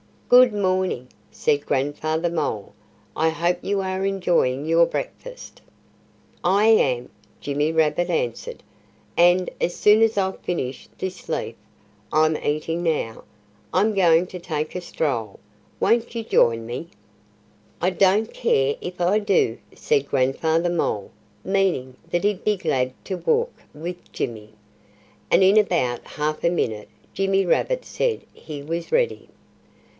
"Good morning!" said Grandfather Mole. "I hope you are enjoying your breakfast." "I am," Jimmy Rabbit answered. "And as soon as I've finished this leaf I'm eating now, I'm going to take a stroll. Won't you join me?" "I don't care if I do," said Grandfather Mole meaning that he'd be glad to walk with Jimmy. And in about half a minute Jimmy Rabbit said he was ready.